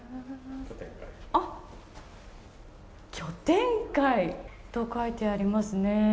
拠点階と書いてありますね。